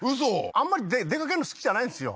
あんまり出かけるの好きじゃないんですよ